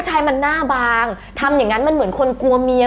ชายมันหน้าบางทำอย่างนั้นมันเหมือนคนกลัวเมีย